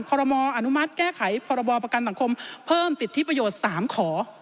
รมออนุมัติแก้ไขพรบประกันสังคมเพิ่มสิทธิประโยชน์๓ขอ